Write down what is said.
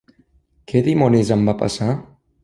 Què dimonis em va passar?